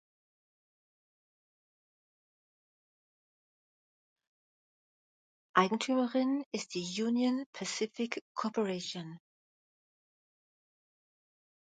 Eigentümerin ist die Union Pacific Corporation.